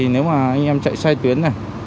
nếu anh em chạy sai tuyến